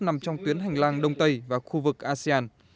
nằm trong tuyến hành lang đông tây và khu vực asean